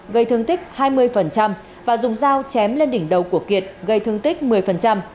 gây thương tích hai mươi và dùng dao chém lên đỉnh đầu của kiệt gây thương tích một mươi